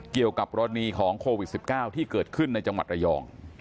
เกี่ยวกับกรณีของโควิด๑๙ที่เกิดขึ้นในจังหวัดระยอง